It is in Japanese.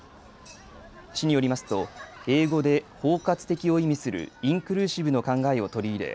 市によりますと英語で包括的を意味するインクルーシブの考えを取り入れ